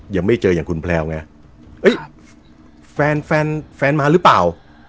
ยังไม่เจออย่างคุณแพลวไงเอ้ยแฟนแฟนมาหรือเปล่า